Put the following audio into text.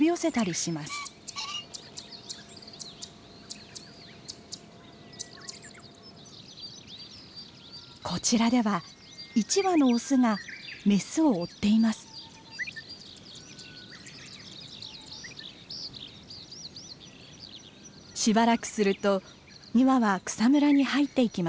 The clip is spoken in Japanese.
しばらくすると２羽は草むらに入っていきました。